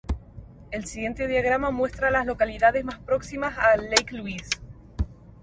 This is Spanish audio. El siguiente diagrama muestra a las localidades más próximas a Lake Louise.